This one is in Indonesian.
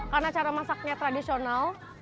karena cara masaknya tradisional